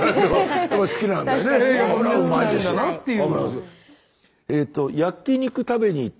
好きなんだなっていう。